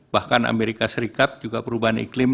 bahkan amerika serikat juga perubahan iklim